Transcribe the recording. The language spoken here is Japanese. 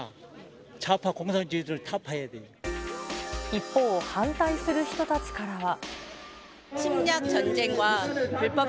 一方、反対する人たちからは。